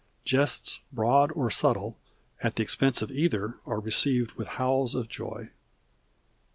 Jests broad or subtle at the expense of either are received with howls of joy.